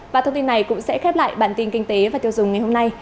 và thông tin này cũng sẽ khép lại bản tin kinh tế và tiêu dùng ngày hôm nay